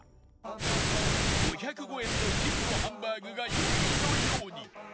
５０５円の金のハンバーグが４位のように